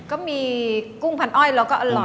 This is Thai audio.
ก็มีกุ้งพันอ้อยเราก็อร่อย